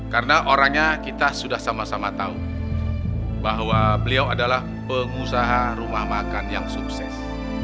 karena orangnya kita sudah sama sama tahu bahwa beliau adalah pengusaha rumah makan yang sukses